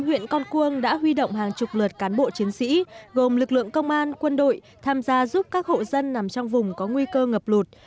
huyện con cuông đã huy động hàng chục lượt cán bộ chiến sĩ gồm lực lượng công an quân đội tham gia giúp các hộ dân nằm trong vùng có nguy cơ ngập lụt